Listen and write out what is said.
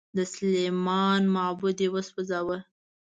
د سلیمان معبد یې وسوځاوه.